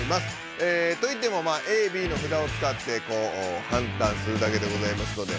えといってもまあＡＢのふだをつかってはんだんするだけでございますので。